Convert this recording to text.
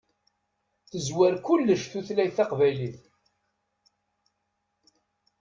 Tezwar kullec tutlayt taqbaylit.